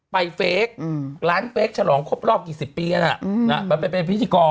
เฟคร้านเฟคฉลองครบรอบกี่สิบปีไปเป็นพิธีกร